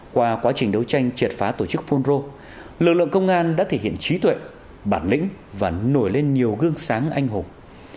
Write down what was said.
qua quá trình đấu tranh triệt phá tổ chức phun rô lực lượng công an đã thể hiện trí tuệ bản lĩnh và nổi lên nhiều gương sáng anh hùng